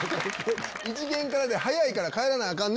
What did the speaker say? １限からで早いから帰らなアカンね！